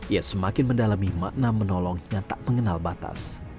ia semakin mendalami makna menolong yang tak mengenal batas